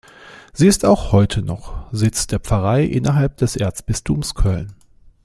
Sie ist auch heute noch Sitz der Pfarrei innerhalb des Erzbistums Köln.